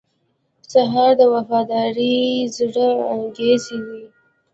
سهار د وفادار زړه انګازې دي.